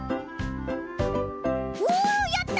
おやった！